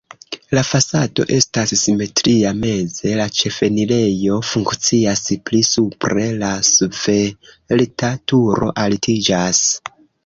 La fasado estas simetria, meze la ĉefenirejo funkcias, pli supre la svelta turo altiĝas.